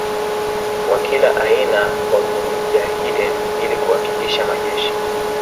wa kila aina kwa Mujahideen ili kuhakikisha majeshi